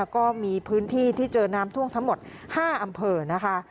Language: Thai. ก็มีพื้นที่ที่เจอน้ำท่วมทั้งหมด๕อำเภอนะคะ